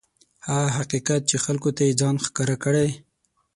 هغه حقیقت چې خلکو ته یې ځان ښکاره کړی.